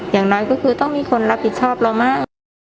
อย่างน้อยก็คือต้องมีคนรับผิดชอบเรามาก